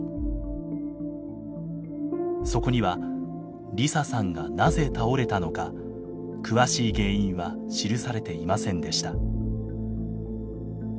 そこには梨沙さんがなぜ倒れたのか詳しい原因は記されていませんでした。